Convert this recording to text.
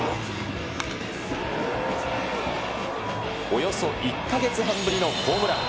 およそ１か月半ぶりのホームラン。